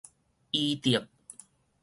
醫德